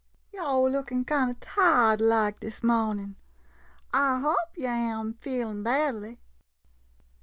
Yo' lookin' kind ob tired like, dis mohnin' — I hope yo' am' feelin' badly.